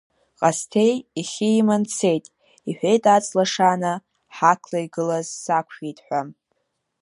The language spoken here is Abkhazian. Ҟасҭеи ихьы иман дцеит, — иҳәеит аҵла шана ҳақла игылаз сақәшәеит ҳәа.